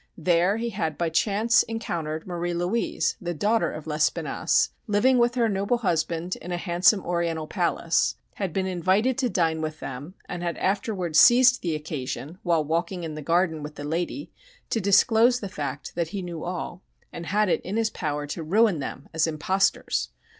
There he had by chance encountered Marie Louise, the daughter of Lespinasse, living with her noble husband in a "handsome Oriental palace," had been invited to dine with them and had afterward seized the occasion while "walking in the garden" with the lady to disclose the fact that he knew all, and had it in his power to ruin them as impostors.